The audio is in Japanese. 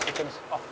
あっ。